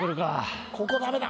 ここダメだ。